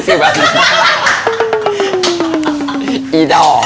อีด่อแบบนี้